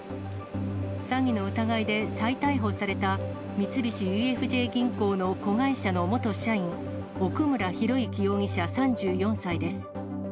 詐欺の疑いで再逮捕された三菱ＵＦＪ銀行の子会社の元社員、奥村啓志容疑者３４歳です。